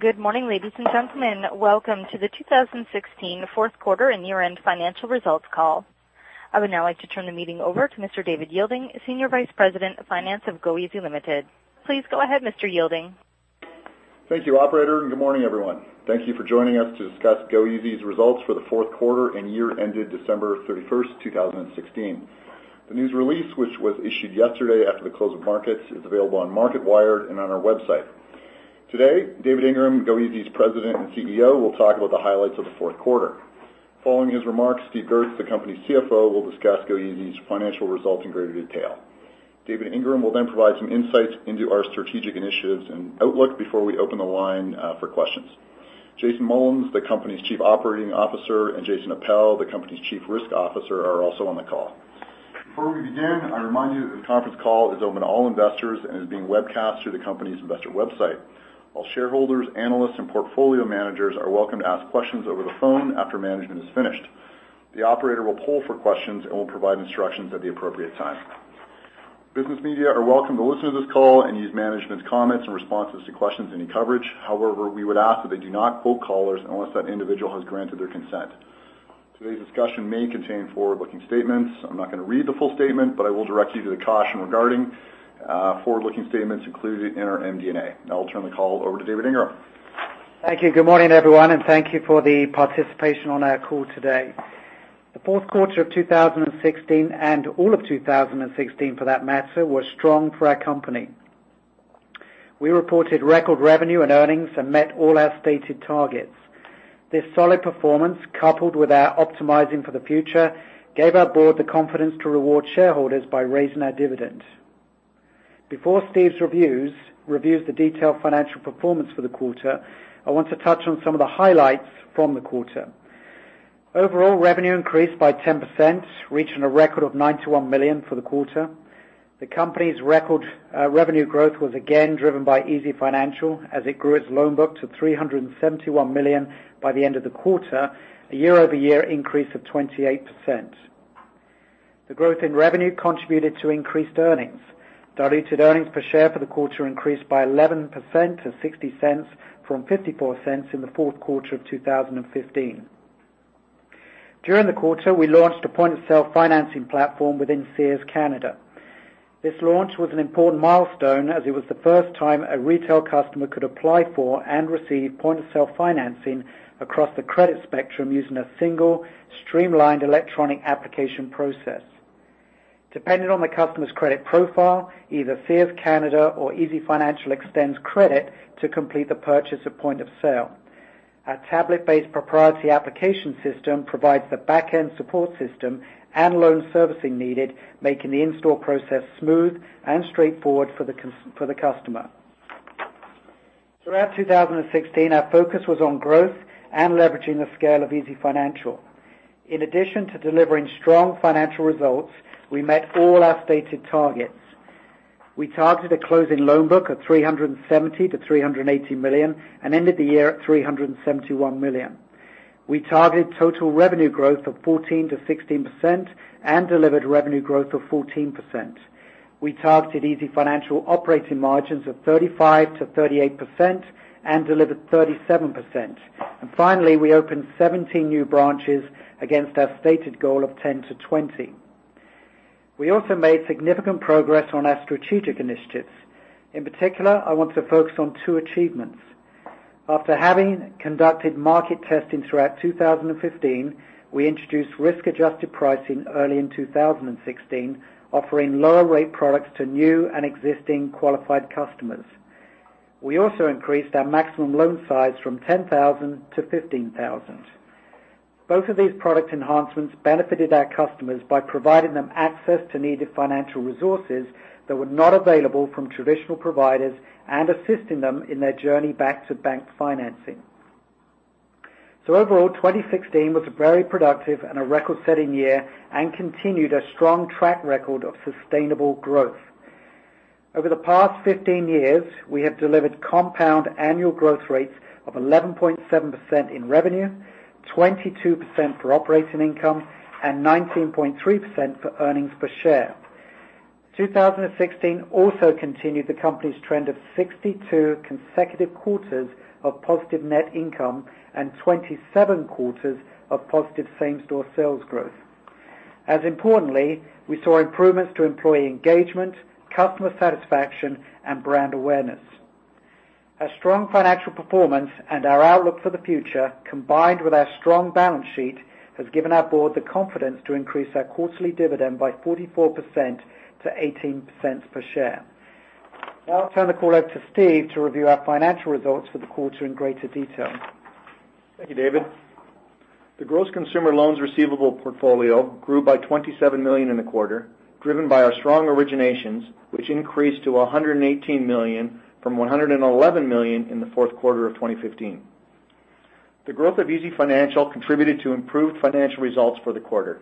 Good morning, ladies and gentlemen. Welcome to the two thousand and sixteen fourth quarter and year-end financial results call. I would now like to turn the meeting over to Mr. David Yeilding, Senior Vice President of Finance of goeasy Limited. Please go ahead, Mr. Yeilding. Thank you, operator, and good morning, everyone. Thank you for joining us to discuss goeasy's results for the fourth quarter and year ended December thirty-first, two thousand and sixteen. The news release, which was issued yesterday after the close of markets, is available on Marketwired and on our website. Today, David Ingram, goeasy's President and CEO, will talk about the highlights of the fourth quarter. Following his remarks, Steve Goertz, the company's CFO, will discuss goeasy's financial results in greater detail. David Ingram will then provide some insights into our strategic initiatives and outlook before we open the line for questions. Jason Mullins, the company's Chief Operating Officer, and Jason Appel, the company's Chief Risk Officer, are also on the call. Before we begin, I remind you that the conference call is open to all investors and is being webcast through the company's investor website. All shareholders, analysts, and portfolio managers are welcome to ask questions over the phone after management is finished. The operator will poll for questions and will provide instructions at the appropriate time. Business media are welcome to listen to this call and use management's comments and responses to questions in your coverage. However, we would ask that they do not quote callers unless that individual has granted their consent. Today's discussion may contain forward-looking statements. I'm not gonna read the full statement, but I will direct you to the caution regarding forward-looking statements included in our MD&A. Now, I'll turn the call over to David Ingram. Thank you. Good morning, everyone, and thank you for the participation on our call today. The fourth quarter of two thousand and sixteen, and all of two thousand and sixteen for that matter, were strong for our company. We reported record revenue and earnings and met all our stated targets. This solid performance, coupled with our optimizing for the future, gave our board the confidence to reward shareholders by raising our dividend. Before Steve reviews the detailed financial performance for the quarter, I want to touch on some of the highlights from the quarter. Overall, revenue increased by 10%, reaching a record of 91 million for the quarter. The company's record revenue growth was again driven by easyfinancial, as it grew its loan book to 371 million by the end of the quarter, a year-over-year increase of 28%. The growth in revenue contributed to increased earnings. Diluted earnings per share for the quarter increased by 11% to 0.60 from 0.54 in the fourth quarter of two thousand and fifteen. During the quarter, we launched a point-of-sale financing platform within Sears Canada. This launch was an important milestone as it was the first time a retail customer could apply for and receive point-of-sale financing across the credit spectrum, using a single, streamlined electronic application process. Depending on the customer's credit profile, either Sears Canada or easyfinancial extends credit to complete the purchase of point of sale. Our tablet-based proprietary application system provides the back-end support system and loan servicing needed, making the in-store process smooth and straightforward for the customer. Throughout two thousand and sixteen, our focus was on growth and leveraging the scale of easyfinancial. In addition to delivering strong financial results, we met all our stated targets. We targeted a closing loan book of 370-380 million and ended the year at 371 million. We targeted total revenue growth of 14%-16% and delivered revenue growth of 14%. We targeted easyfinancial operating margins of 35%-38% and delivered 37%. And finally, we opened 17 new branches against our stated goal of 10-20. We also made significant progress on our strategic initiatives. In particular, I want to focus on two achievements. After having conducted market testing throughout 2015, we introduced risk-adjusted pricing early in 2016, offering lower rate products to new and existing qualified customers. We also increased our maximum loan size from 10,000-15,000. Both of these product enhancements benefited our customers by providing them access to needed financial resources that were not available from traditional providers and assisting them in their journey back to bank financing. So overall, 2016 was a very productive and a record-setting year and continued a strong track record of sustainable growth. Over the past 15 years, we have delivered compound annual growth rates of 11.7% in revenue, 22% for operating income, and 19.3% for earnings per share. 2016 also continued the company's trend of 62 consecutive quarters of positive net income and 27 quarters of positive same-store sales growth. As importantly, we saw improvements to employee engagement, customer satisfaction, and brand awareness. A strong financial performance and our outlook for the future, combined with our strong balance sheet, has given our board the confidence to increase our quarterly dividend by 44% to 0.18 per share. Now I'll turn the call over to Steve to review our financial results for the quarter in greater detail. Thank you, David. The gross consumer loans receivable portfolio grew by 27 million in the quarter, driven by our strong originations, which increased to 118 million from 111 million in the fourth quarter of 2015. The growth of easyfinancial contributed to improved financial results for the quarter.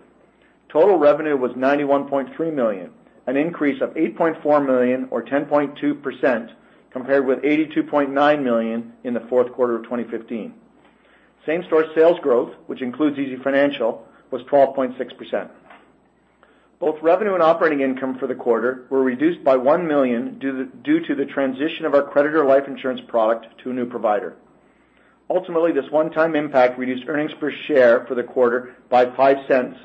Total revenue was 91.3 million, an increase of 8.4 million, or 10.2%, compared with 82.9 million in the fourth quarter of 2015. Same-store sales growth, which includes easyfinancial, was 12.6%.... Both revenue and operating income for the quarter were reduced by 1 million due to the transition of our creditor life insurance product to a new provider. Ultimately, this one-time impact reduced earnings per share for the quarter by 0.05,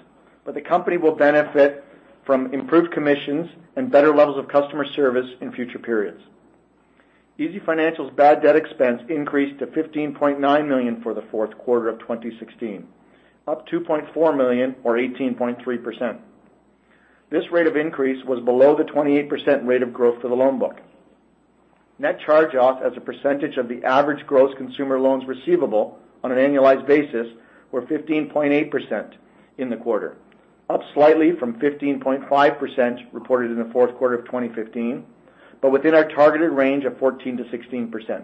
but the company will benefit from improved commissions and better levels of customer service in future periods. easyfinancial's bad debt expense increased to 15.9 million for the fourth quarter of 2016, up 2.4 million or 18.3%. This rate of increase was below the 28% rate of growth for the loan book. Net charge-off as a percentage of the average gross consumer loans receivable on an annualized basis were 15.8% in the quarter, up slightly from 15.5% reported in the fourth quarter of 2015, but within our targeted range of 14%-16%.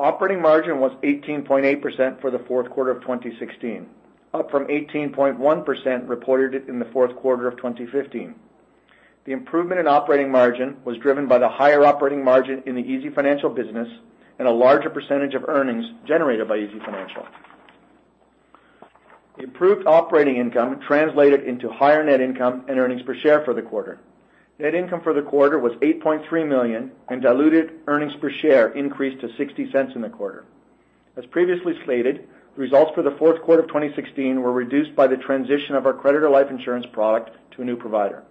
Operating margin was 18.8% for the fourth quarter of 2016, up from 18.1% reported in the fourth quarter of 2015. The improvement in operating margin was driven by the higher operating margin in the easyfinancial business and a larger percentage of earnings generated by easyfinancial. The improved operating income translated into higher net income and earnings per share for the quarter. Net income for the quarter was 8.3 million, and diluted earnings per share increased to 0.60 in the quarter. As previously stated, the results for the fourth quarter of 2016 were reduced by the transition of our creditor life insurance product to a new provider.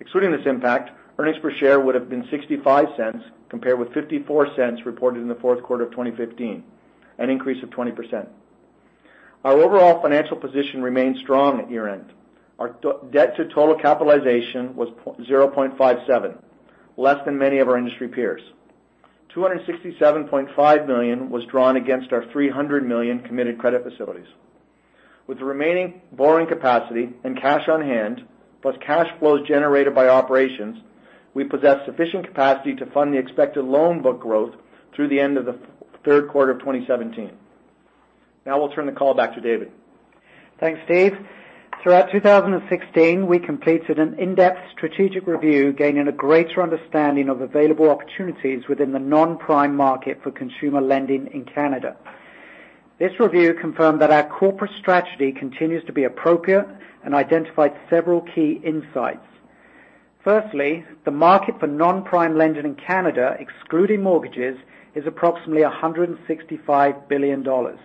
Excluding this impact, earnings per share would have been 0.65, compared with 0.54 reported in the fourth quarter of 2015, an increase of 20%. Our overall financial position remained strong at year-end. Our debt to total capitalization was 0.57, less than many of our industry peers. 267.5 million was drawn against our 300 million committed credit facilities. With the remaining borrowing capacity and cash on hand, plus cash flows generated by operations, we possess sufficient capacity to fund the expected loan book growth through the end of the third quarter of 2017. Now I'll turn the call back to David. Thanks, Steve. Throughout two thousand and sixteen, we completed an in-depth strategic review, gaining a greater understanding of available opportunities within the non-prime market for consumer lending in Canada. This review confirmed that our corporate strategy continues to be appropriate and identified several key insights. Firstly, the market for non-prime lending in Canada, excluding mortgages, is approximately 165 billion dollars.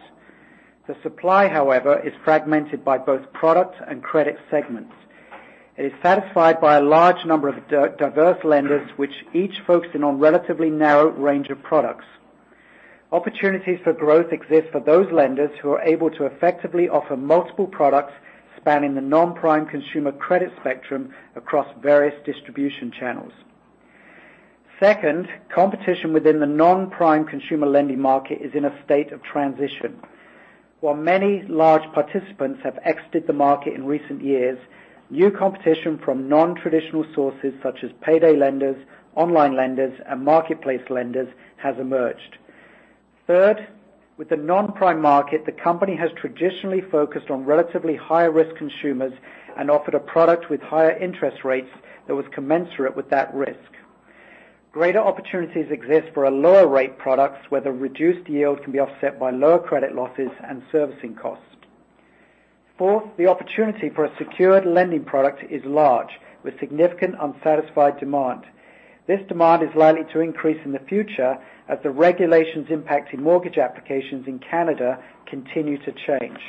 The supply, however, is fragmented by both product and credit segments. It is satisfied by a large number of diverse lenders, which each focusing on relatively narrow range of products. Opportunities for growth exist for those lenders who are able to effectively offer multiple products spanning the non-prime consumer credit spectrum across various distribution channels. Second, competition within the non-prime consumer lending market is in a state of transition. While many large participants have exited the market in recent years, new competition from non-traditional sources, such as payday lenders, online lenders, and marketplace lenders, has emerged. Third, with the non-prime market, the company has traditionally focused on relatively higher-risk consumers and offered a product with higher interest rates that was commensurate with that risk. Greater opportunities exist for a lower rate products, where the reduced yield can be offset by lower credit losses and servicing costs. Fourth, the opportunity for a secured lending product is large, with significant unsatisfied demand. This demand is likely to increase in the future as the regulations impacting mortgage applications in Canada continue to change.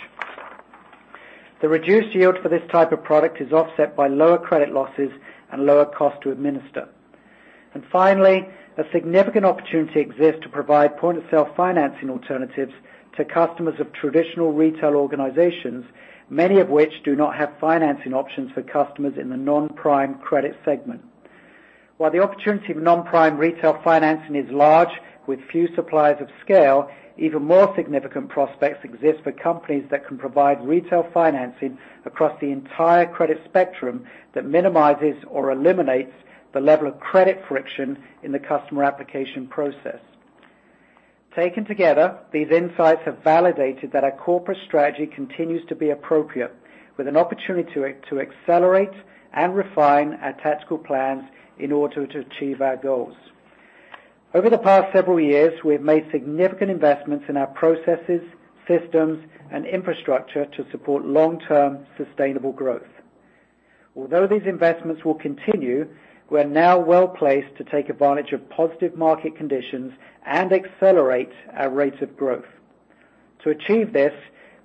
The reduced yield for this type of product is offset by lower credit losses and lower cost to administer. Finally, a significant opportunity exists to provide point-of-sale financing alternatives to customers of traditional retail organizations, many of which do not have financing options for customers in the non-prime credit segment. While the opportunity for non-prime retail financing is large, with few suppliers of scale, even more significant prospects exist for companies that can provide retail financing across the entire credit spectrum that minimizes or eliminates the level of credit friction in the customer application process. Taken together, these insights have validated that our corporate strategy continues to be appropriate, with an opportunity to accelerate and refine our tactical plans in order to achieve our goals. Over the past several years, we have made significant investments in our processes, systems, and infrastructure to support long-term, sustainable growth. Although these investments will continue, we are now well-placed to take advantage of positive market conditions and accelerate our rate of growth. To achieve this,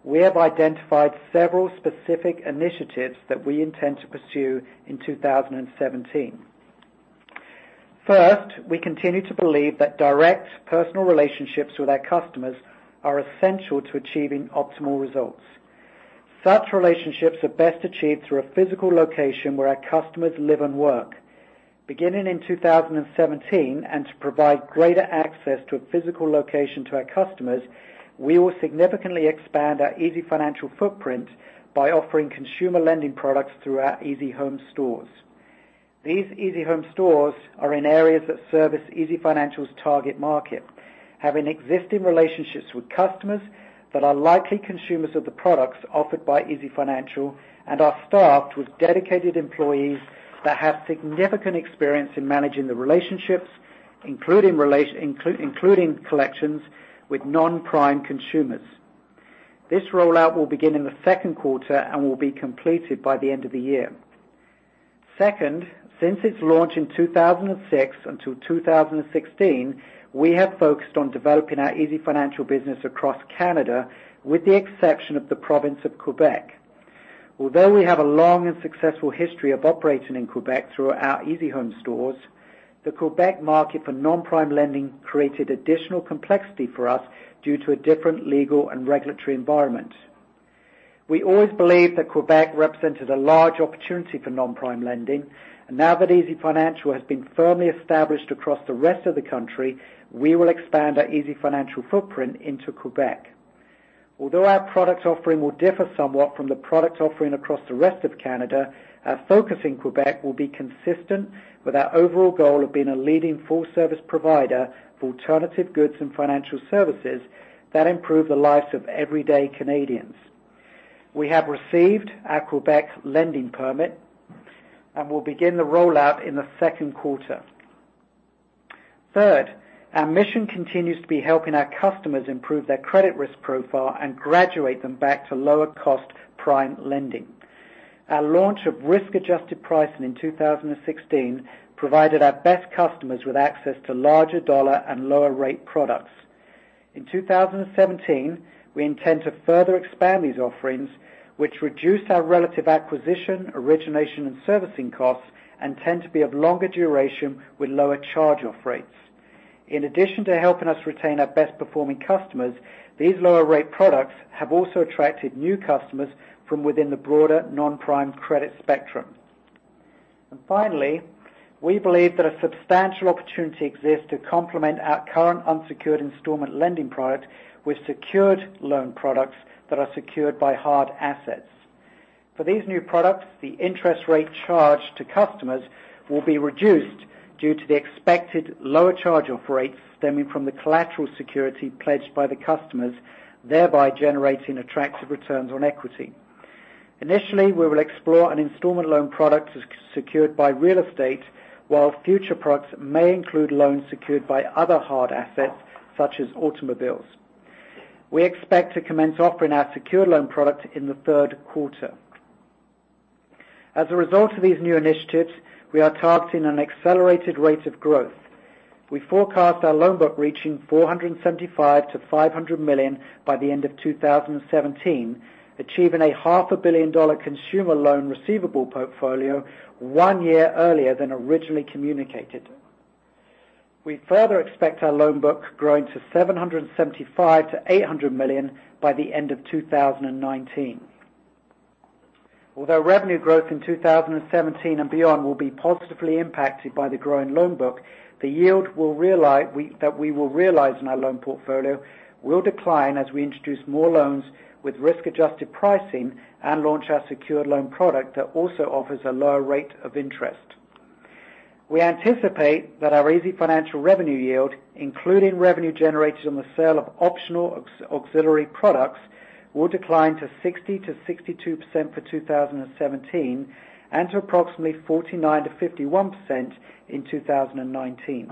we have identified several specific initiatives that we intend to pursue in two thousand and seventeen. First, we continue to believe that direct personal relationships with our customers are essential to achieving optimal results. Such relationships are best achieved through a physical location where our customers live and work. Beginning in two thousand and seventeen, and to provide greater access to a physical location to our customers, we will significantly expand our easyfinancial footprint by offering consumer lending products through our easyhome stores. These easyhome stores are in areas that service easyfinancial's target market, having existing relationships with customers that are likely consumers of the products offered by easyfinancial, and are staffed with dedicated employees that have significant experience in managing the relationships including collections with non-prime consumers. This rollout will begin in the second quarter and will be completed by the end of the year. Second, since its launch in two thousand and six until two thousand and sixteen, we have focused on developing our easyfinancial business across Canada, with the exception of the province of Quebec. Although we have a long and successful history of operating in Quebec through our easyhome stores, the Quebec market for non-prime lending created additional complexity for us due to a different legal and regulatory environment. We always believed that Quebec represented a large opportunity for non-prime lending, and now that easyfinancial has been firmly established across the rest of the country, we will expand our easyfinancial footprint into Quebec. Although our product offering will differ somewhat from the product offering across the rest of Canada, our focus in Quebec will be consistent with our overall goal of being a leading full-service provider for alternative goods and financial services that improve the lives of everyday Canadians. We have received our Quebec lending permit, and we'll begin the rollout in the second quarter. Third, our mission continues to be helping our customers improve their credit risk profile and graduate them back to lower-cost prime lending. Our launch of risk-adjusted pricing in 2016 provided our best customers with access to larger dollar and lower rate products. In two thousand and seventeen, we intend to further expand these offerings, which reduce our relative acquisition, origination, and servicing costs and tend to be of longer duration with lower charge-off rates. In addition to helping us retain our best-performing customers, these lower rate products have also attracted new customers from within the broader non-prime credit spectrum. And finally, we believe that a substantial opportunity exists to complement our current unsecured installment lending product with secured loan products that are secured by hard assets. For these new products, the interest rate charged to customers will be reduced due to the expected lower charge-off rates stemming from the collateral security pledged by the customers, thereby generating attractive returns on equity. Initially, we will explore an installment loan product that's secured by real estate, while future products may include loans secured by other hard assets, such as automobiles. We expect to commence offering our secured loan product in the third quarter. As a result of these new initiatives, we are targeting an accelerated rate of growth. We forecast our loan book reaching 475 million-500 million by the end of 2017, achieving a 500 million dollar consumer loan receivable portfolio one year earlier than originally communicated. We further expect our loan book growing to 775 million-800 million by the end of 2019. Although revenue growth in 2017 and beyond will be positively impacted by the growing loan book, the yield that we will realize in our loan portfolio will decline as we introduce more loans with risk-adjusted pricing and launch our secured loan product that also offers a lower rate of interest. We anticipate that our easyfinancial revenue yield, including revenue generated on the sale of optional auxiliary products, will decline to 60%-62% for two thousand and seventeen, and to approximately 49%-51% in two thousand and nineteen.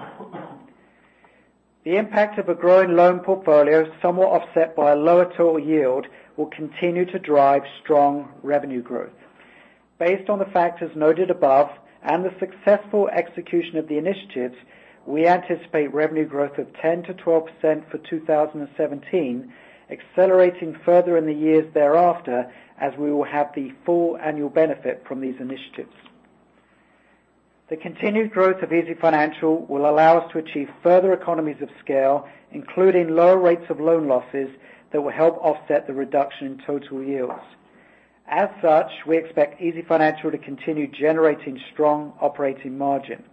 The impact of a growing loan portfolio, somewhat offset by a lower total yield, will continue to drive strong revenue growth. Based on the factors noted above and the successful execution of the initiatives, we anticipate revenue growth of 10%-12% for two thousand and seventeen, accelerating further in the years thereafter, as we will have the full annual benefit from these initiatives. The continued growth of easyfinancial will allow us to achieve further economies of scale, including lower rates of loan losses that will help offset the reduction in total yields. As such, we expect easyfinancial to continue generating strong operating margin.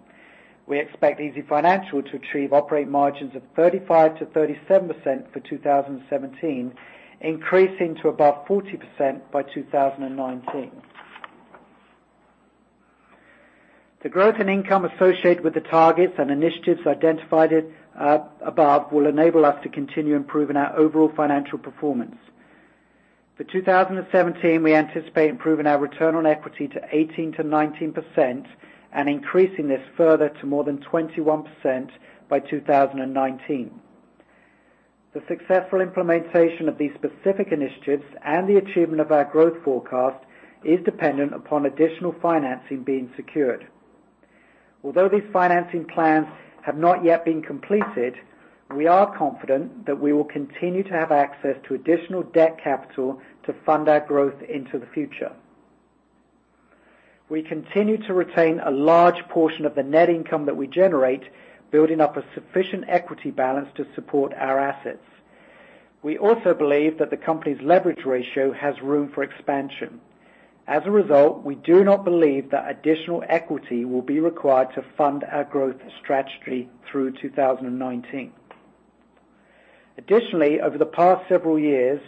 We expect easyfinancial to achieve operating margins of 35%-37% for 2017, increasing to above 40% by 2019. The growth in income associated with the targets and initiatives identified at, above will enable us to continue improving our overall financial performance. For 2017, we anticipate improving our return on equity to 18%-19% and increasing this further to more than 21% by 2019. The successful implementation of these specific initiatives and the achievement of our growth forecast is dependent upon additional financing being secured. Although these financing plans have not yet been completed, we are confident that we will continue to have access to additional debt capital to fund our growth into the future. We continue to retain a large portion of the net income that we generate, building up a sufficient equity balance to support our assets. We also believe that the company's leverage ratio has room for expansion. As a result, we do not believe that additional equity will be required to fund our growth strategy through two thousand and nineteen. Additionally, over the past several years,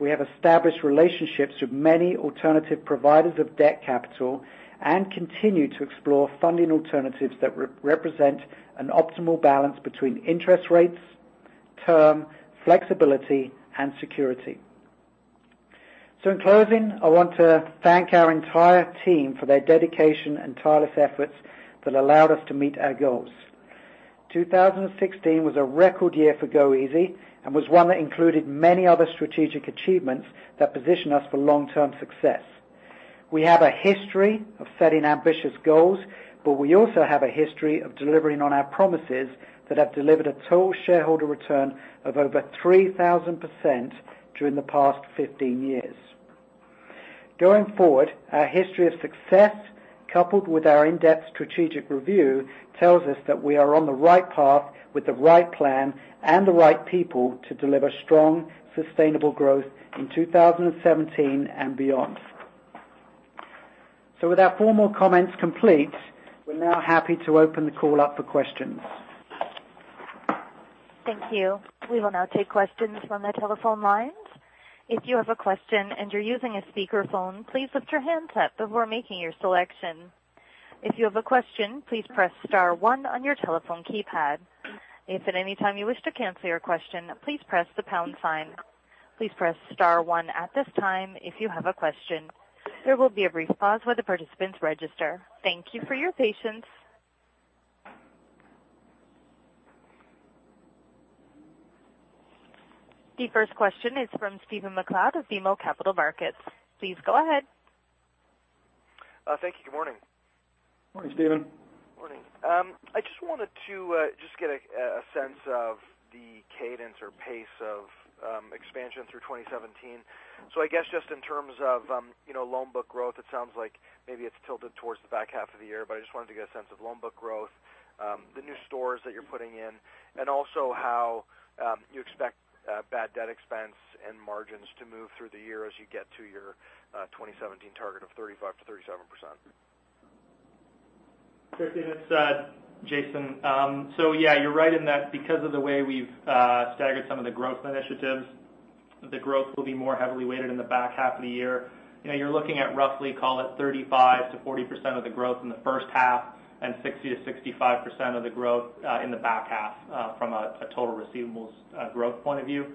we have established relationships with many alternative providers of debt capital and continue to explore funding alternatives that represent an optimal balance between interest rates, term, flexibility, and security.... So in closing, I want to thank our entire team for their dedication and tireless efforts that allowed us to meet our goals. 2016 was a record year for goeasy, and was one that included many other strategic achievements that position us for long-term success. We have a history of setting ambitious goals, but we also have a history of delivering on our promises that have delivered a total shareholder return of over 3,000% during the past 15 years. Going forward, our history of success, coupled with our in-depth strategic review, tells us that we are on the right path with the right plan and the right people to deliver strong, sustainable growth in 2017 and beyond. So with our formal comments complete, we're now happy to open the call up for questions. Thank you. We will now take questions from the telephone lines. If you have a question and you're using a speakerphone, please lift your handset before making your selection. If you have a question, please press star one on your telephone keypad. If at any time you wish to cancel your question, please press the pound sign. Please press star one at this time if you have a question. There will be a brief pause while the participants register. Thank you for your patience. The first question is from Stephen MacLeod of BMO Capital Markets. Please go ahead. Thank you. Good morning. Morning, Stephen. Morning. I just wanted to just get a sense of the cadence or pace of expansion through twenty seventeen. So I guess, just in terms of, you know, loan book growth, it sounds like maybe it's tilted towards the back half of the year, but I just wanted to get a sense of loan book growth, the new stores that you're putting in, and also how you expect bad debt expense and margins to move through the year as you get to your twenty seventeen target of 35%-37%. Sure thing. It's Jason. So, yeah, you're right in that because of the way we've staggered some of the growth initiatives, the growth will be more heavily weighted in the back half of the year. You know, you're looking at roughly, call it, 35%-40% of the growth in the first half and 60%-65% of the growth in the back half from a total receivables growth point of view.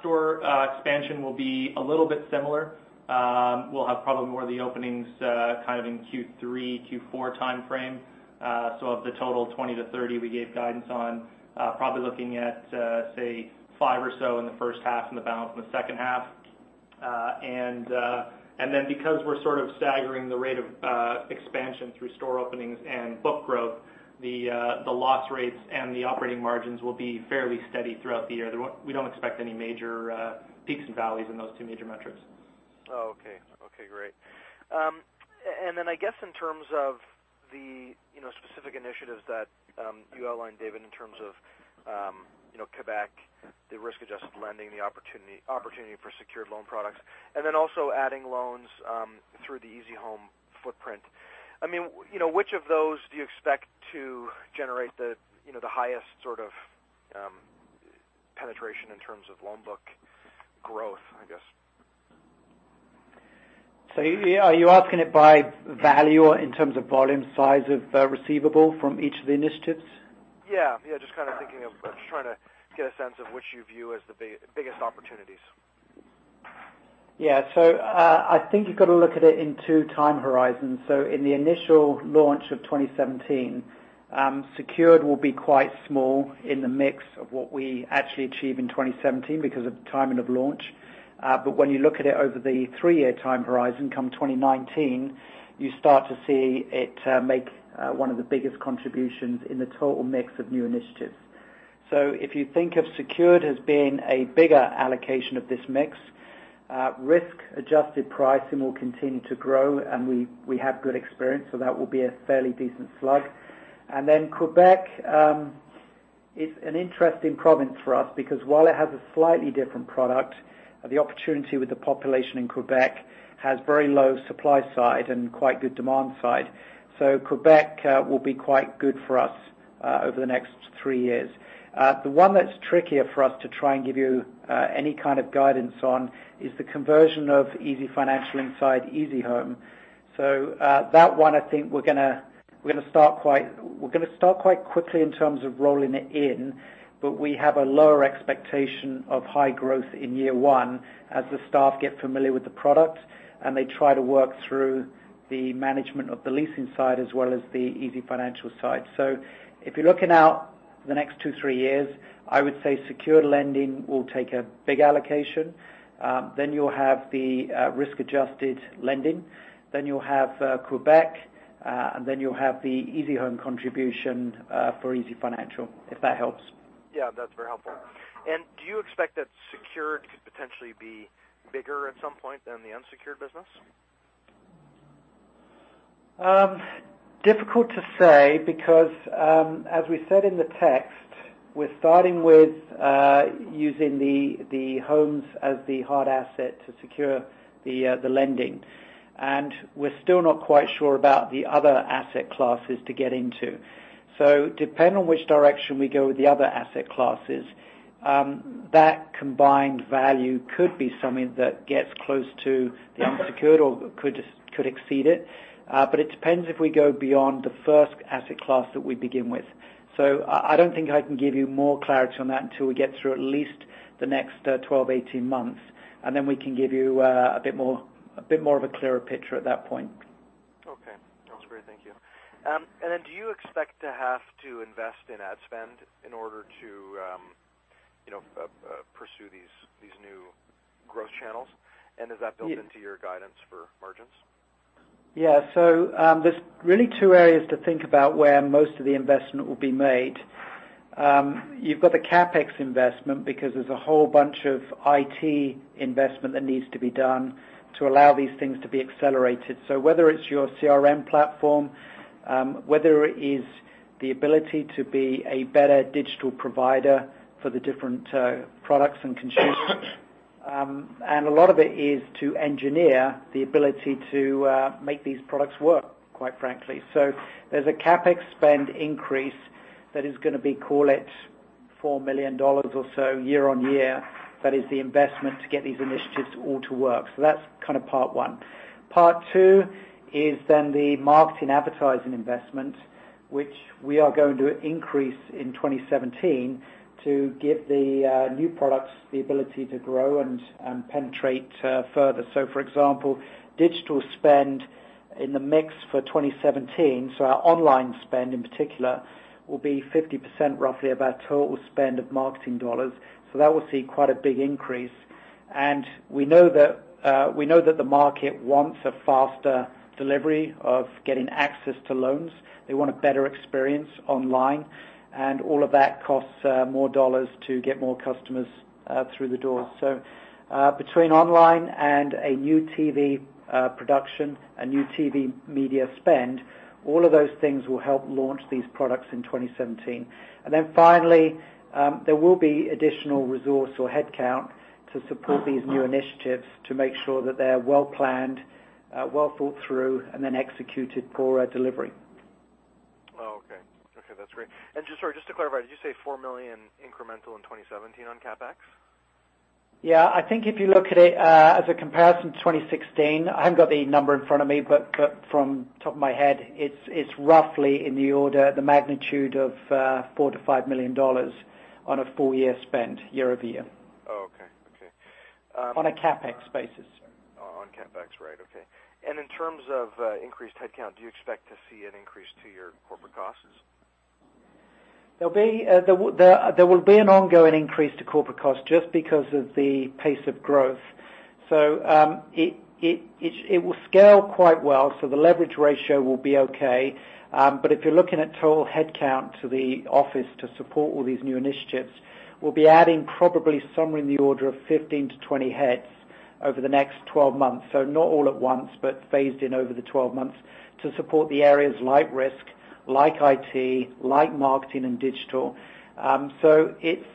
Store expansion will be a little bit similar. We'll have probably more of the openings kind of in Q3, Q4 timeframe. So of the total 20-30 we gave guidance on, probably looking at, say, five or so in the first half and the balance in the second half. Because we're sort of staggering the rate of expansion through store openings and book growth, the loss rates and the operating margins will be fairly steady throughout the year. We don't expect any major peaks and valleys in those two major metrics. Oh, okay. Okay, great. And then I guess in terms of the, you know, specific initiatives that you outlined, David, in terms of, you know, Quebec, the risk-adjusted lending, the opportunity for secured loan products, and then also adding loans through the easyhome footprint. I mean, you know, which of those do you expect to generate the, you know, the highest sort of penetration in terms of loan book growth, I guess? Are you asking it by value or in terms of volume, size of receivable from each of the initiatives? Yeah. Yeah, just trying to get a sense of which you view as the biggest opportunities. Yeah. So, I think you've got to look at it in two time horizons. So in the initial launch of twenty seventeen, secured will be quite small in the mix of what we actually achieve in twenty seventeen because of the timing of launch. But when you look at it over the three-year time horizon, come twenty nineteen, you start to see it make one of the biggest contributions in the total mix of new initiatives. So if you think of secured as being a bigger allocation of this mix, risk-adjusted pricing will continue to grow, and we have good experience, so that will be a fairly decent slug. Quebec is an interesting province for us because while it has a slightly different product, the opportunity with the population in Quebec has very low supply side and quite good demand side. Quebec will be quite good for us over the next three years. The one that's trickier for us to try and give you any kind of guidance on is the conversion of easyfinancial inside easyhome. That one, I think we're gonna start quite quickly in terms of rolling it in, but we have a lower expectation of high growth in year one as the staff get familiar with the product, and they try to work through the management of the leasing side, as well as the easyfinancial side. So if you're looking out the next two, three years, I would say secured lending will take a big allocation. Then you'll have the risk-adjusted lending, then you'll have Quebec, and then you'll have the easyhome contribution for easyfinancial, if that helps. Yeah, that's very helpful. And do you expect that secured could potentially be bigger at some point than the unsecured business? Difficult to say because, as we said in the text, we're starting with using the homes as the hard asset to secure the lending, and we're still not quite sure about the other asset classes to get into, so depending on which direction we go with the other asset classes, that combined value could be something that gets close to the unsecured or could exceed it, but it depends if we go beyond the first asset class that we begin with, so I don't think I can give you more clarity on that until we get through at least the next 12, 18 months, and then we can give you a bit more of a clearer picture at that point. ...Thank you. And then do you expect to have to invest in ad spend in order to, you know, pursue these new growth channels? And does that build into your guidance for margins? Yeah. So, there's really two areas to think about where most of the investment will be made. You've got the CapEx investment because there's a whole bunch of IT investment that needs to be done to allow these things to be accelerated. So whether it's your CRM platform, whether it is the ability to be a better digital provider for the different products and consumers. And a lot of it is to engineer the ability to make these products work, quite frankly. So there's a CapEx spend increase that is gonna be, call it, 4 million dollars or so year-on-year. That is the investment to get these initiatives all to work. So that's kind of part one. Part two is then the marketing advertising investment, which we are going to increase in 2017 to give the new products the ability to grow and penetrate further. So for example, digital spend in the mix for 2017, so our online spend in particular, will be 50%, roughly, of our total spend of marketing dollars. So that will see quite a big increase. And we know that the market wants a faster delivery of getting access to loans. They want a better experience online, and all of that costs more dollars to get more customers through the door. So between online and a new TV production, a new TV media spend, all of those things will help launch these products in 2017. And then finally, there will be additional resource or headcount to support these new initiatives, to make sure that they are well planned, well thought through, and then executed for delivery. Oh, okay. Okay, that's great. And just, sorry, just to clarify, did you say 4 million incremental in 2017 on CapEx? Yeah. I think if you look at it, as a comparison to 2016, I haven't got the number in front of me, but from top of my head, it's roughly in the order, the magnitude of, 4-5 million dollars on a full year spend, year over year. Oh, okay. Okay. On a CapEx basis. On CapEx, right. Okay. And in terms of, increased headcount, do you expect to see an increase to your corporate costs? There'll be an ongoing increase to corporate costs just because of the pace of growth. It will scale quite well, so the leverage ratio will be okay, but if you're looking at total headcount to the office to support all these new initiatives, we'll be adding probably somewhere in the order of 15 to 20 heads over the next 12 months. Not all at once, but phased in over the 12 months to support the areas like risk, like IT, like marketing and digital, so it's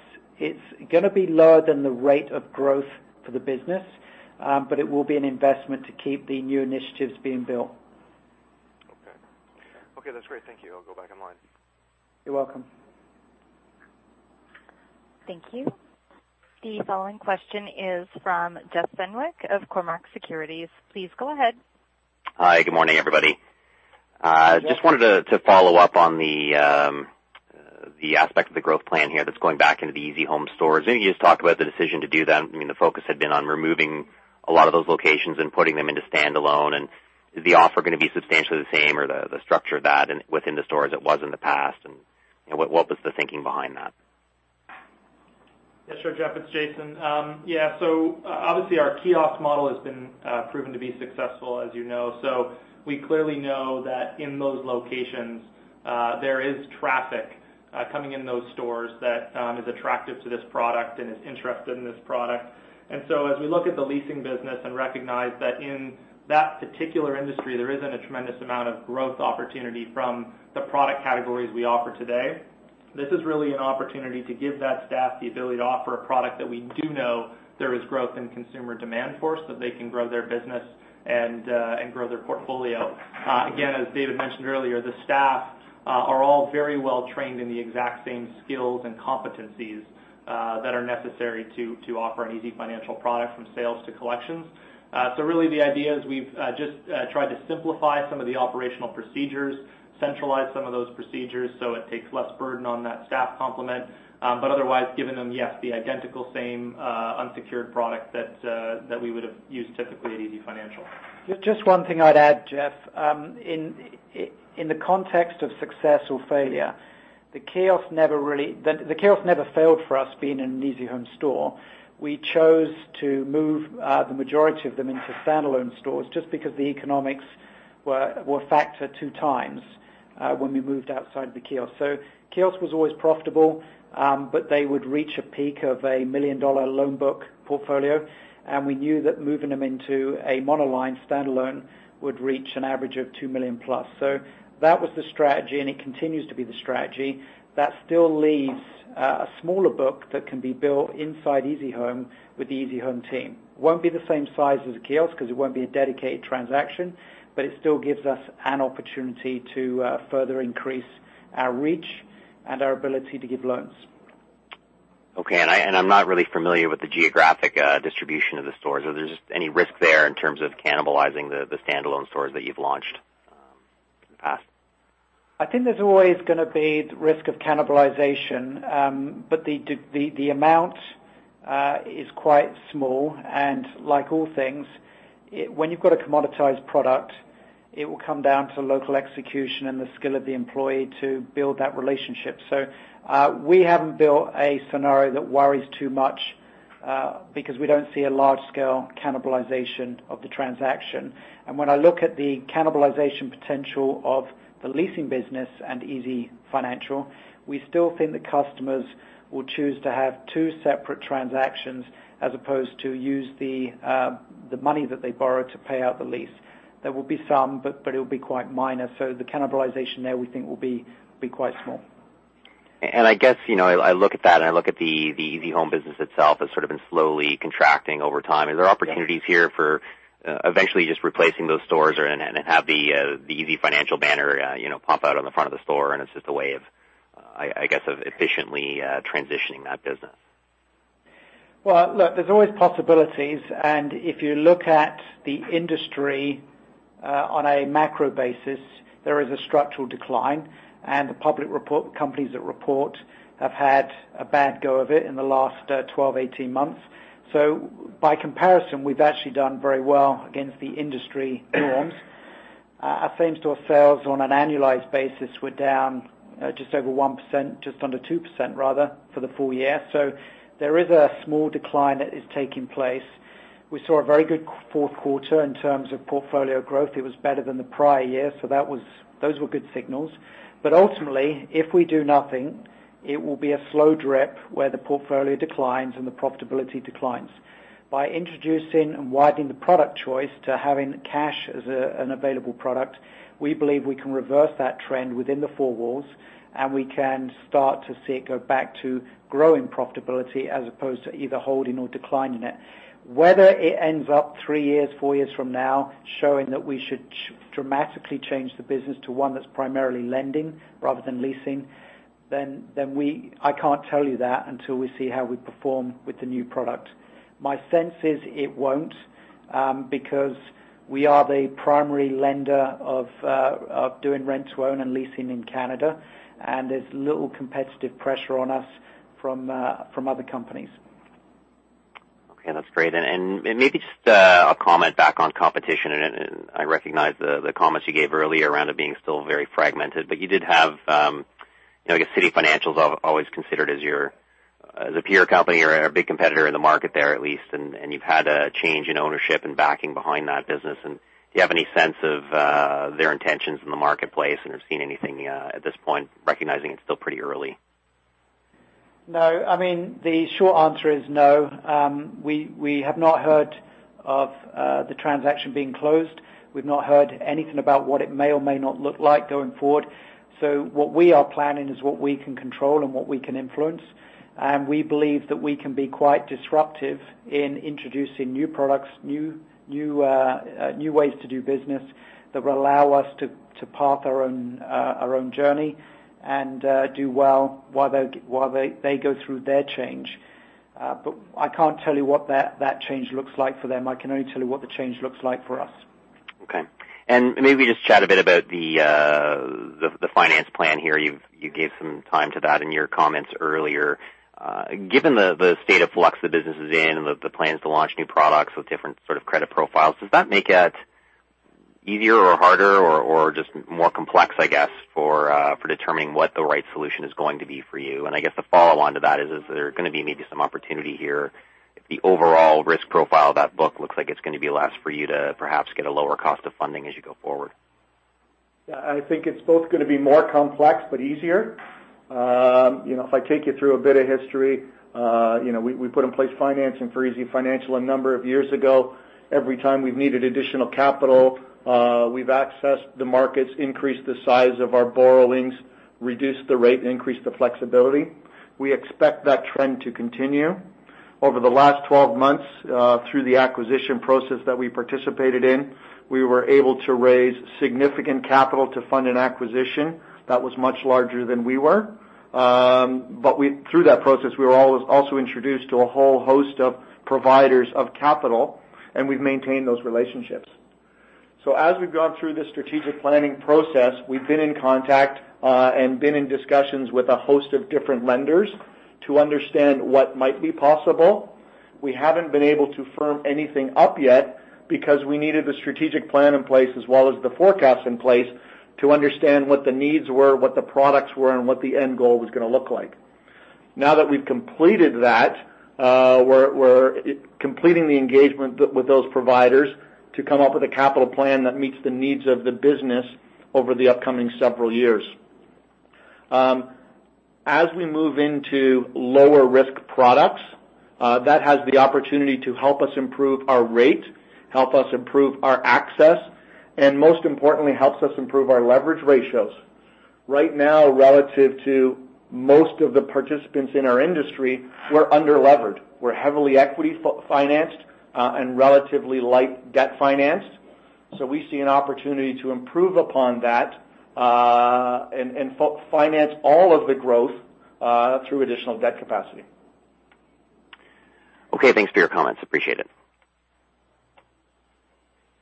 gonna be lower than the rate of growth for the business, but it will be an investment to keep the new initiatives being built. Okay. Okay, that's great. Thank you. I'll go back in line. You're welcome. Thank you. The following question is from Jeff Fenwick of Cormark Securities. Please go ahead. Hi, good morning, everybody. Just wanted to follow up on the aspect of the growth plan here that's going back into the easyhome stores. I know you just talked about the decision to do them. I mean, the focus had been on removing a lot of those locations and putting them into standalone. And is the offer gonna be substantially the same or the structure of that and within the store as it was in the past? And what was the thinking behind that? Yeah, sure, Jeff, it's Jason. Yeah, so obviously, our kiosk model has been proven to be successful, as you know, so we clearly know that in those locations, there is traffic coming in those stores that is attractive to this product and is interested in this product, and so as we look at the leasing business and recognize that in that particular industry, there isn't a tremendous amount of growth opportunity from the product categories we offer today. This is really an opportunity to give that staff the ability to offer a product that we do know there is growth in consumer demand for, so they can grow their business and grow their portfolio. Again, as David mentioned earlier, the staff are all very well trained in the exact same skills and competencies that are necessary to offer an easyfinancial product from sales to collections. So really the idea is we've just tried to simplify some of the operational procedures, centralize some of those procedures, so it takes less burden on that staff complement. But otherwise, giving them, yes, the identical same unsecured product that we would have used typically at easyfinancial. Just one thing I'd add, Jeff. In the context of success or failure, the kiosk never really failed for us, being in an easyhome store. We chose to move the majority of them into standalone stores just because the economics were factored two times when we moved outside the kiosk. So kiosk was always profitable, but they would reach a peak of a 1 million dollar loan book portfolio, and we knew that moving them into a monoline standalone would reach an average of 2 million plus. So that was the strategy, and it continues to be the strategy. That still leaves a smaller book that can be built inside easyhome with the easyhome team. Won't be the same size as a kiosk because it won't be a dedicated transaction, but it still gives us an opportunity to further increase our reach and our ability to give loans. Okay. And I'm not really familiar with the geographic distribution of the stores. Are there just any risk there in terms of cannibalizing the standalone stores that you've launched in the past?... I think there's always gonna be the risk of cannibalization. But the amount is quite small, and like all things, when you've got a commoditized product, it will come down to local execution and the skill of the employee to build that relationship. So, we haven't built a scenario that worries too much, because we don't see a large scale cannibalization of the transaction. And when I look at the cannibalization potential of the leasing business and easyfinancial, we still think the customers will choose to have two separate transactions as opposed to use the money that they borrow to pay out the lease. There will be some, but it'll be quite minor. So the cannibalization there, we think, will be quite small. I guess, you know, I look at that, and I look at the easyhome business itself as sort of been slowly contracting over time. Are there opportunities here for eventually just replacing those stores and have the easyfinancial banner, you know, pop out on the front of the store, and it's just a way of, I guess, of efficiently transitioning that business? Well, look, there's always possibilities, and if you look at the industry, on a macro basis, there is a structural decline, and the public companies that report have had a bad go of it in the last twelve, eighteen months. So by comparison, we've actually done very well against the industry norms. Our same-store sales on an annualized basis were down just over 1%, just under 2%, rather, for the full year. So there is a small decline that is taking place. We saw a very good fourth quarter in terms of portfolio growth. It was better than the prior year, so that was. Those were good signals. But ultimately, if we do nothing, it will be a slow drip, where the portfolio declines and the profitability declines. By introducing and widening the product choice to having cash as an available product, we believe we can reverse that trend within the four walls, and we can start to see it go back to growing profitability as opposed to either holding or declining it. Whether it ends up three years, four years from now, showing that we should dramatically change the business to one that's primarily lending rather than leasing, then I can't tell you that until we see how we perform with the new product. My sense is it won't, because we are the primary leader in doing rent-to-own and leasing in Canada, and there's little competitive pressure on us from other companies. Okay, that's great. And maybe just a comment back on competition, and I recognize the comments you gave earlier around it being still very fragmented. But you did have, you know, I guess CitiFinancial is always considered as your, as a peer company or a big competitor in the market there at least, and you've had a change in ownership and backing behind that business. And do you have any sense of their intentions in the marketplace? And you're seeing anything at this point, recognizing it's still pretty early? No, I mean, the short answer is no. We have not heard of the transaction being closed. We've not heard anything about what it may or may not look like going forward. So what we are planning is what we can control and what we can influence. And we believe that we can be quite disruptive in introducing new products, new ways to do business that will allow us to path our own journey and do well while they go through their change. But I can't tell you what that change looks like for them. I can only tell you what the change looks like for us. Okay. And maybe just chat a bit about the finance plan here. You gave some time to that in your comments earlier. Given the state of flux the business is in and the plans to launch new products with different sort of credit profiles, does that make it easier or harder or just more complex, I guess, for determining what the right solution is going to be for you? And I guess the follow-on to that is there gonna be maybe some opportunity here, if the overall risk profile of that book looks like it's gonna be less for you to perhaps get a lower cost of funding as you go forward? Yeah, I think it's both gonna be more complex, but easier. You know, if I take you through a bit of history, you know, we put in place financing for easyfinancial a number of years ago. Every time we've needed additional capital, we've accessed the markets, increased the size of our borrowings, reduced the rate, increased the flexibility. We expect that trend to continue. Over the last twelve months, through the acquisition process that we participated in, we were able to raise significant capital to fund an acquisition that was much larger than we were. Through that process, we were also introduced to a whole host of providers of capital, and we've maintained those relationships. So as we've gone through this strategic planning process, we've been in contact, and been in discussions with a host of different lenders to understand what might be possible. We haven't been able to firm anything up yet because we needed a strategic plan in place, as well as the forecast in place, to understand what the needs were, what the products were, and what the end goal was gonna look like. Now that we've completed that, we're completing the engagement with those providers to come up with a capital plan that meets the needs of the business over the upcoming several years. As we move into lower-risk products, that has the opportunity to help us improve our rate, help us improve our access, and most importantly, helps us improve our leverage ratios. Right now, relative to most of the participants in our industry, we're under-levered. We're heavily equity financed, and relatively light debt-financed. So we see an opportunity to improve upon that, and finance all of the growth through additional debt capacity. Okay, thanks for your comments. Appreciate it.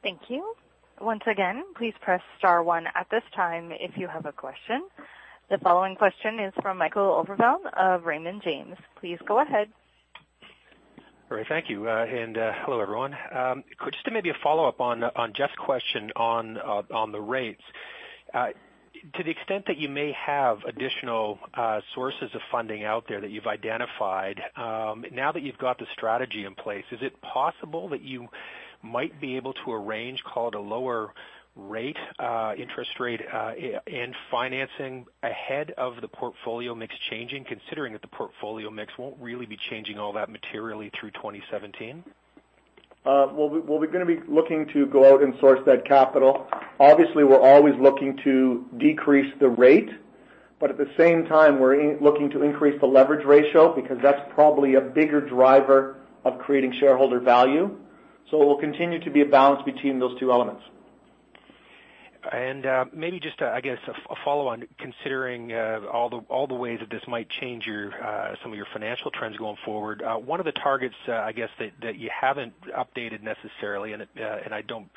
Thank you. Once again, please press star one at this time if you have a question. The following question is from Michael Overvelde of Raymond James. Please go ahead. All right, thank you. Hello, everyone. Just maybe a follow-up on Jeff's question on the rates. To the extent that you may have additional sources of funding out there that you've identified, now that you've got the strategy in place, is it possible that you might be able to arrange, call it a lower rate, interest rate, in financing ahead of the portfolio mix changing, considering that the portfolio mix won't really be changing all that materially through twenty seventeen? We're gonna be looking to go out and source that capital. Obviously, we're always looking to decrease the rate, but at the same time, we're looking to increase the leverage ratio because that's probably a bigger driver of creating shareholder value, so it will continue to be a balance between those two elements. Maybe just to, I guess, a follow on considering all the ways that this might change some of your financial trends going forward. One of the targets, I guess, that you haven't updated necessarily, and I don't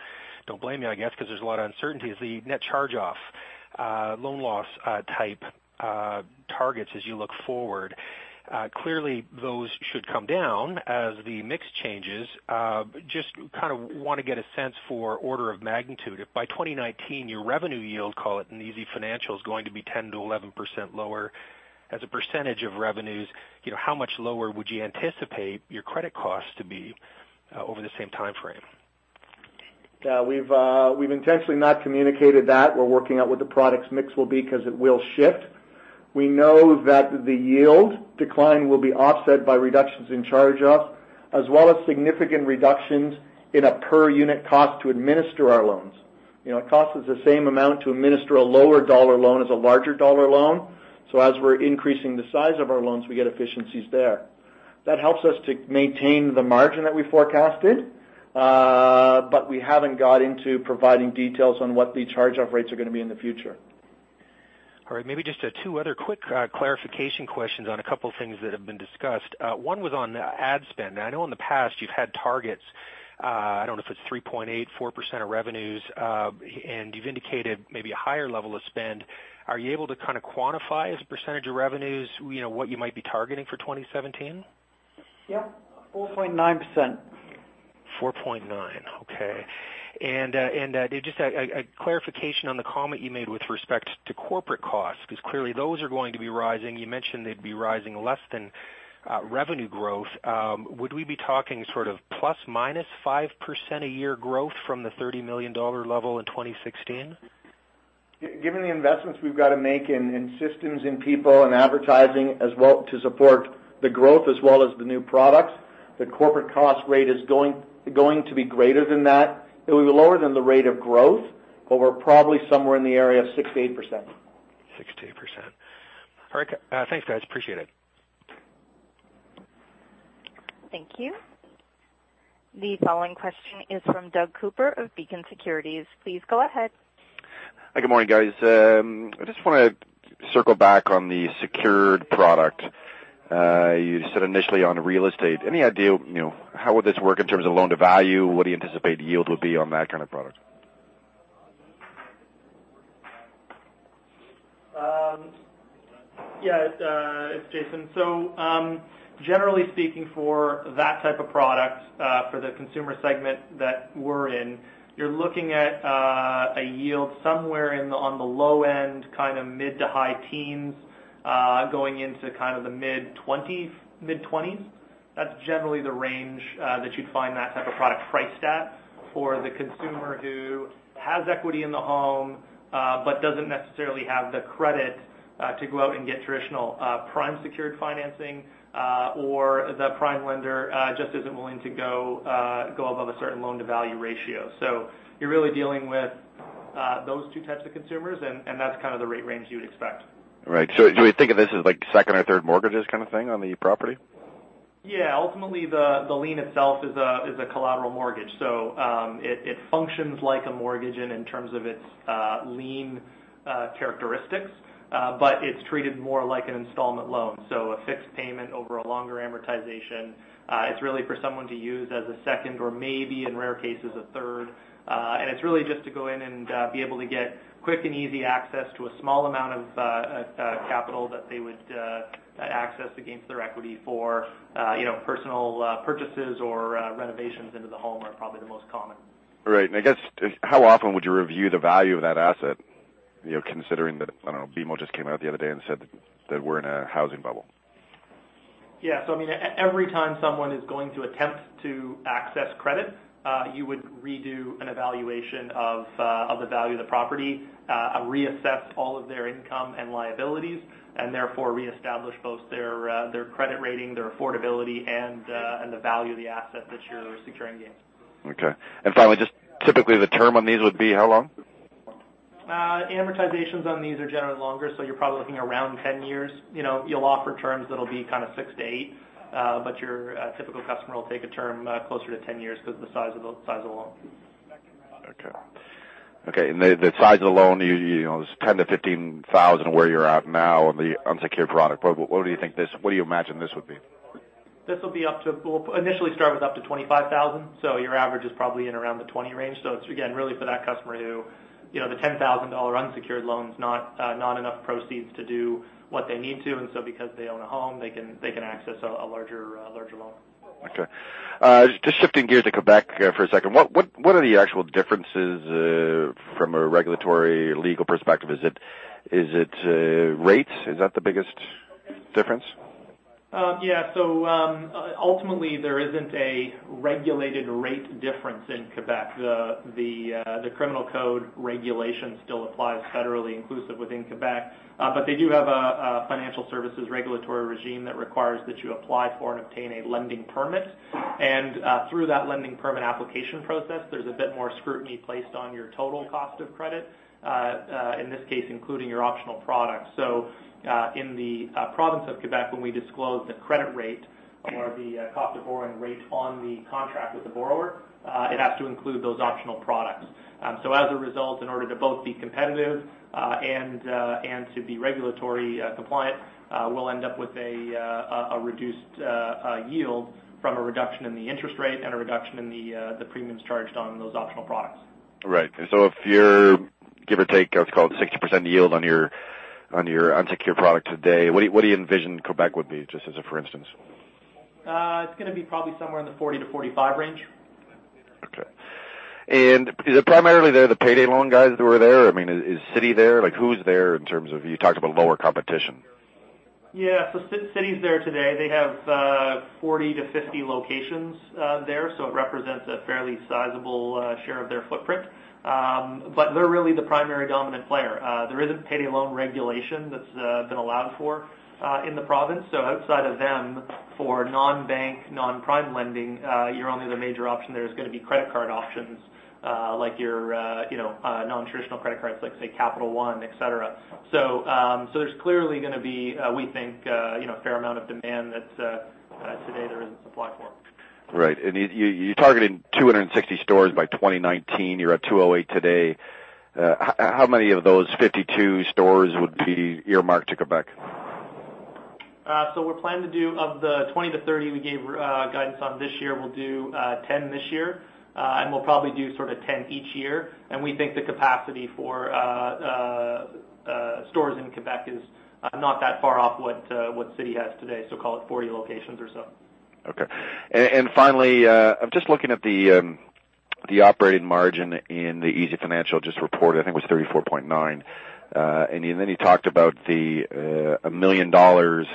blame you, I guess, because there's a lot of uncertainty, is the net charge-off loan loss type targets as you look forward. Clearly, those should come down as the mix changes. Just kind of want to get a sense for order of magnitude. If by 2019, your revenue yield, call it on easyfinancial, is going to be 10%-11% lower as a percentage of revenues, you know, how much lower would you anticipate your credit costs to be over the same time frame? We've intentionally not communicated that. We're working out what the product mix will be because it will shift. We know that the yield decline will be offset by reductions in charge-off, as well as significant reductions in a per unit cost to administer our loans. You know, it costs us the same amount to administer a lower dollar loan as a larger dollar loan. So as we're increasing the size of our loans, we get efficiencies there. That helps us to maintain the margin that we forecasted, but we haven't got into providing details on what the charge-off rates are gonna be in the future. All right, maybe just two other quick clarification questions on a couple of things that have been discussed. One was on ad spend. I know in the past you've had targets. I don't know if it's 3.8-4% of revenues, and you've indicated maybe a higher level of spend. Are you able to kind of quantify as a percentage of revenues, you know, what you might be targeting for 2017? Yeah, 4.9%. 4.9. Okay. And just a clarification on the comment you made with respect to corporate costs, because clearly those are going to be rising. You mentioned they'd be rising less than revenue growth. Would we be talking sort of plus minus 5% a year growth from the 30 million dollar level in 2016? Given the investments we've got to make in systems, in people and advertising, as well, to support the growth as well as the new products, the corporate cost rate is going to be greater than that. It will be lower than the rate of growth, but we're probably somewhere in the area of 6%-8%. 6%-8%. All right. Thanks, guys. Appreciate it. Thank you. The following question is from Doug Cooper of Beacon Securities. Please go ahead. Hi, good morning, guys. I just want to circle back on the secured product. You said initially on real estate, any idea, you know, how would this work in terms of loan-to-value? What do you anticipate the yield would be on that kind of product? Yeah, it's Jason. So, generally speaking for that type of product, for the consumer segment that we're in, you're looking at a yield somewhere in on the low end, kind of mid to high teens, going into kind of the mid-twenties. That's generally the range that you'd find that type of product priced at for the consumer who has equity in the home, but doesn't necessarily have the credit to go out and get traditional prime secured financing, or the prime lender just isn't willing to go above a certain loan-to-value ratio. So you're really dealing with those two types of consumers, and that's kind of the rate range you would expect. Right, so do we think of this as like second or third mortgages kind of thing on the property? Yeah. Ultimately, the lien itself is a collateral mortgage. So, it functions like a mortgage in terms of its lien characteristics, but it's treated more like an installment loan. So a fixed payment over a longer amortization. It's really for someone to use as a second or maybe in rare cases, a third. And it's really just to go in and be able to get quick and easy access to a small amount of capital that they would access against their equity for, you know, personal purchases or renovations into the home are probably the most common. Right, and I guess, how often would you review the value of that asset? You know, considering that, I don't know, BMO just came out the other day and said that we're in a housing bubble. Yeah. So I mean, every time someone is going to attempt to access credit, you would redo an evaluation of the value of the property, reassess all of their income and liabilities, and therefore reestablish both their credit rating, their affordability, and the value of the asset that you're securing against. Okay. And finally, just typically, the term on these would be how long? Amortizations on these are generally longer, so you're probably looking around ten years. You know, you'll offer terms that'll be kind of six to eight, but your typical customer will take a term closer to ten years because of the size of the loan. Okay. Okay, and the size of the loan, you know, is 10-15 thousand where you're at now on the unsecured product. But what do you think this, what do you imagine this would be? ...This will be up to, we'll initially start with up to 25,000. So your average is probably in around the 20 range. So it's again, really for that customer who, you know, the 10,000 dollar unsecured loan is not, not enough proceeds to do what they need to. And so because they own a home, they can, they can access a, a larger, larger loan. Okay. Just shifting gears to go back for a second. What are the actual differences from a regulatory legal perspective? Is it rates? Is that the biggest difference? Yeah, so ultimately, there isn't a regulated rate difference in Quebec. The Criminal Code regulation still applies federally, inclusive within Quebec, but they do have a financial services regulatory regime that requires that you apply for and obtain a lending permit, and through that lending permit application process, there's a bit more scrutiny placed on your total cost of credit, in this case, including your optional products. In the province of Quebec, when we disclose the credit rate or the cost of borrowing rate on the contract with the borrower, it has to include those optional products. So as a result, in order to both be competitive and to be regulatory compliant, we'll end up with a reduced yield from a reduction in the interest rate and a reduction in the premiums charged on those optional products. Right. So if you're give or take, what's called 60% yield on your unsecured product today, what do you envision Quebec would be, just as a for instance? It's gonna be probably somewhere in the forty to forty-five range. Okay. And is it primarily there, the payday loan guys who are there? I mean, is Citi there? Like, who's there in terms of... You talked about lower competition. Yeah. So Citi's there today. They have 40 to 50 locations there, so it represents a fairly sizable share of their footprint. But they're really the primary dominant player. There isn't payday loan regulation that's been allowed for in the province. So outside of them, for non-bank, non-prime lending, you're only other major option there is gonna be credit card options, like your, you know, non-traditional credit cards, like, say, Capital One, et cetera. So, so there's clearly gonna be, we think, you know, a fair amount of demand that today there isn't supply for. Right. And you're targeting 260 stores by 2019. You're at 208 today. How many of those 52 stores would be earmarked to Quebec? So we're planning to do, of the 20-30 we gave guidance on this year, we'll do 10 this year. And we'll probably do sort of 10 each year. And we think the capacity for stores in Quebec is not that far off what Citi has today, so call it 40 locations or so. Okay. And finally, I'm just looking at the operating margin in easyfinancial just reported, I think it was 34.9%. And then you talked about 1 million dollars,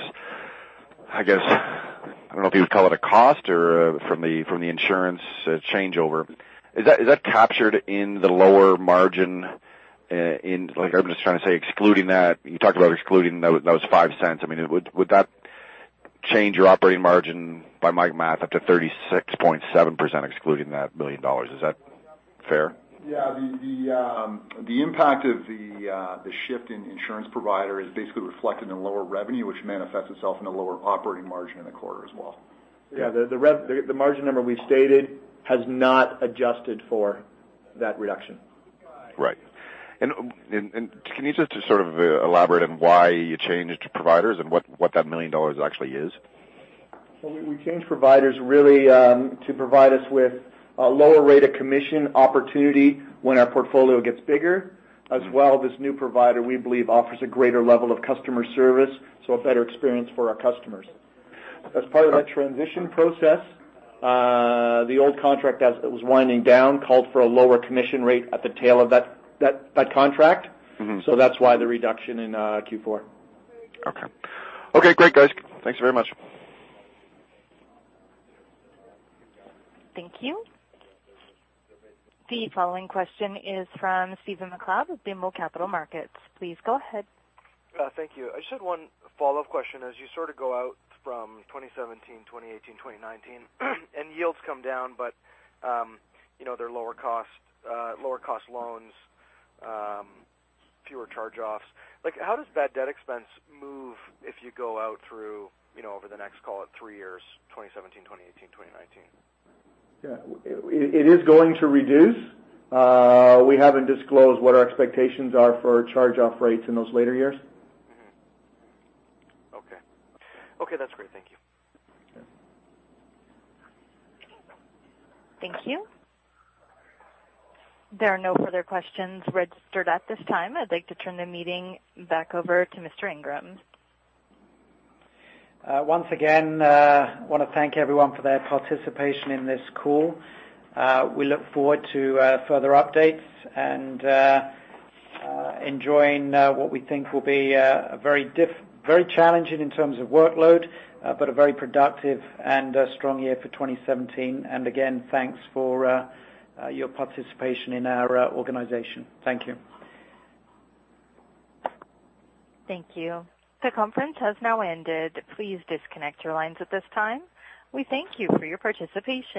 I guess. I don't know if you would call it a cost or from the insurance changeover. Is that captured in the lower margin? Like, I'm just trying to say, excluding that, you talked about excluding those 0.05. I mean, would that change your operating margin by my math up to 36.7%, excluding that million dollars? Is that fair? Yeah. The impact of the shift in insurance provider is basically reflected in lower revenue, which manifests itself in a lower operating margin in the quarter as well. Yeah, the margin number we stated has not adjusted for that reduction. Right. And can you just sort of elaborate on why you changed your providers and what that 1 million dollars actually is? So we changed providers really to provide us with a lower rate of commission opportunity when our portfolio gets bigger. As well, this new provider, we believe, offers a greater level of customer service, so a better experience for our customers. As part of that transition process, the old contract as it was winding down, called for a lower commission rate at the tail of that contract. Mm-hmm. So that's why the reduction in Q4. Okay. Okay, great, guys. Thanks very much. Thank you. The following question is from Stephen MacLeod with BMO Capital Markets. Please go ahead. Thank you. I just had one follow-up question as you sort of go out from twenty seventeen, twenty eighteen, twenty nineteen, and yields come down, but, you know, they're lower cost loans, fewer charge-offs. Like, how does bad debt expense move if you go out through, you know, over the next, call it, three years, twenty seventeen, twenty eighteen, twenty nineteen? Yeah. It is going to reduce. We haven't disclosed what our expectations are for charge-off rates in those later years. Mm-hmm. Okay. Okay, that's great. Thank you. Thank you. There are no further questions registered at this time. I'd like to turn the meeting back over to Mr. Ingram. Once again, I want to thank everyone for their participation in this call. We look forward to further updates and enjoying what we think will be a very challenging in terms of workload, but a very productive and a strong year for 2017. Again, thanks for your participation in our organization. Thank you. Thank you. The conference has now ended. Please disconnect your lines at this time. We thank you for your participation.